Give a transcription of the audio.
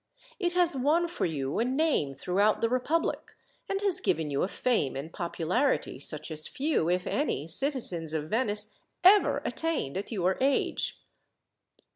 It has won for you a name throughout the republic, and has given you a fame and popularity such as few, if any, citizens of Venice ever attained at your age.